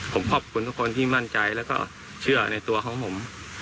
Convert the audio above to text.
ผมขอบคุณทุกคนที่มั่นใจแล้วก็เชื่อในตัวของผม